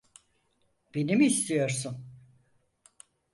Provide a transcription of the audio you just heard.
Beni mi istiyorsun?